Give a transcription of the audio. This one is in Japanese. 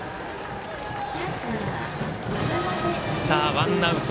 ワンアウト。